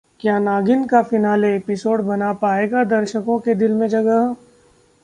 क्या 'नागिन' का finale episode बना पाएगा दर्शकों के दिल में जगह?